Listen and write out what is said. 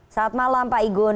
selamat malam pak igun